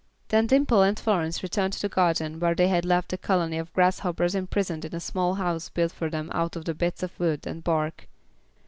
Then Dimple and Florence returned to the garden where they had left a colony of grasshoppers imprisoned in a small house built for them out of bits of wood and bark.